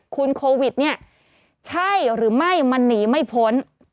คุณโควิดเนี่ยใช่หรือไม่มันหนีไม่พ้น